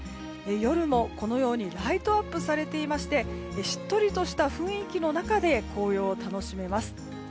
夜もこのようにライトアップされていましてしっとりとした雰囲気の中で紅葉を楽しめます。